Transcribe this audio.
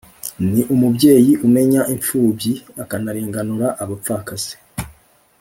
ni umubyeyi umenya impfubyi, akanarenganura abapfakazi